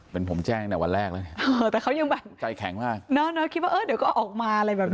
เป็นผมแจ้งตั้งแต่วันแรกแล้วเนี่ยแต่เขายังแบบใจแข็งมากเนอะคิดว่าเออเดี๋ยวก็ออกมาอะไรแบบนี้